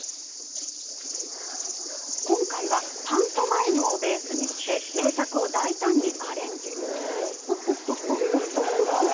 今回はパントマイムをベースにして名作を大胆にアレンジ。